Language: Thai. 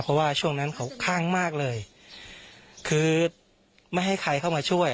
เพราะว่าช่วงนั้นเขาข้างมากเลยคือไม่ให้ใครเข้ามาช่วย